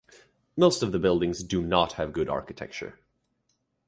Most of the buildings do not have good architecture.